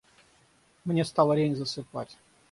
Мне стало лень засыпать.